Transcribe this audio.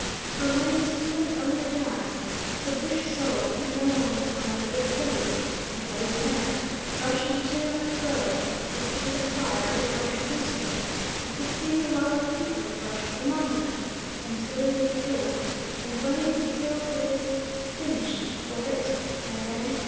For when its human owner dies, the bush soul can no longer find a good place, and goes mad, rushing to and fro if it sees a fire it rushes into it; if it sees a lot of people it rushes among them, until it is killed, and when it is killed it is "finish" for it, as M.